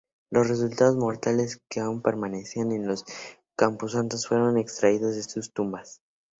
Los restos mortales que aún permanecían en el camposanto fueron extraídos de sus tumbas.